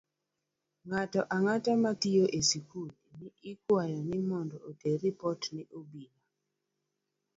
Ng'ato ang'ata matiyo e skul ikwayo ni mondo oter ripot ne obila